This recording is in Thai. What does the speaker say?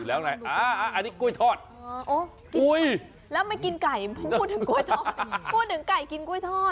โอ้ยแล้วไม่กินไก่พูดถึงกล้วยทอดพูดถึงไก่กินกล้วยทอด